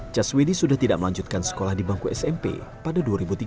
caswedi sudah tidak melanjutkan sekolah di bangku smp pada dua ribu tiga belas